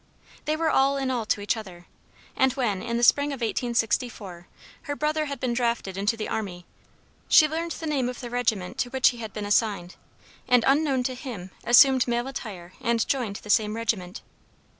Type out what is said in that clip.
They were all in all to each other, and when, in the spring of 1864, her brother had been drafted into the army, she learned the name of the regiment to which he had been assigned, and unknown to him assumed male attire and joined the same regiment.